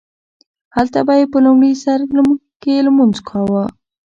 هلته به یې په لومړي سرکې لمونځ کاوو.